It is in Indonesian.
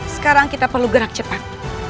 sekarang kita perlu gerak cepat